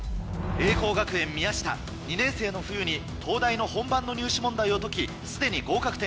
栄光学園宮下２年生の冬に東大の本番の入試問題を解き既に合格点超え。